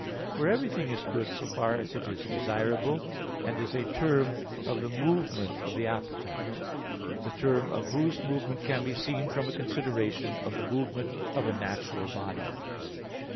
For everything is good so far as it is desirable, and is a term of the movement of the appetite; the term of whose movement can be seen from a consideration of the movement of a natural body.